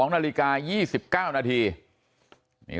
๒นาฬิกา๒๙นาที